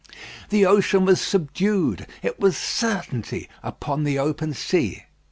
The ocean was subdued; it was certainty upon the open sea.